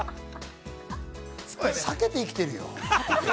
避けて生きているよ。